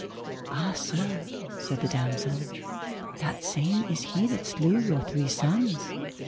Ah sir, said the damosel, that same is he that slew your three sons.